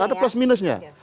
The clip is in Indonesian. ada plus minusnya